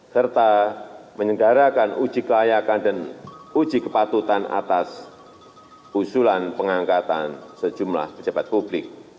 serta menyelenggarakan uji kelayakan dan uji kepatutan atas usulan pengangkatan sejumlah pejabat publik